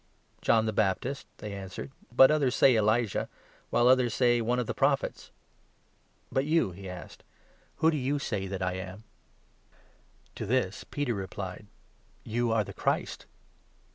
» "John the Baptist," they answered, " but others say Elijah, while others say one of the Prophets." " But you, he asked, " who do you say that I am ?" W Jcr. $. ai. MARK, 8—9. 21 To this Peter replied : "You are the Christ."